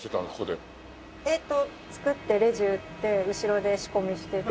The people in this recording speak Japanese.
えっと作ってレジ打って後ろで仕込みして。